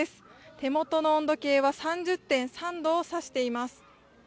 手元の温度計は３０．３度を差しています。